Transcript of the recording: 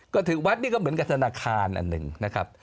ก็ถึงวัดนี่ก็เหมือนกับธนาคารอันหนึ่งนะครับ